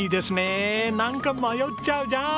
えなんか迷っちゃうじゃん！